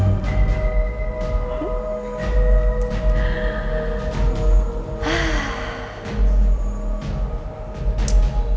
terima kasih mas